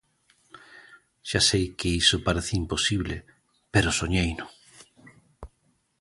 Xa sei que iso parece imposible pero soñeino.